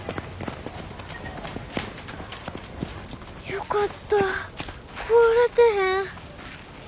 よかった壊れてへん。